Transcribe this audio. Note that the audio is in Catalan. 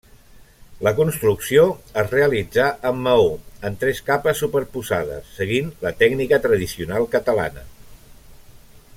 La construcció es realitzà amb maó, en tres capes superposades, seguint la tècnica tradicional catalana.